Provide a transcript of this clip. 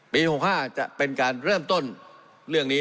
๖๕จะเป็นการเริ่มต้นเรื่องนี้